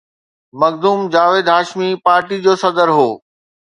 Makhdoom Javed Hashmi party جو صدر هو.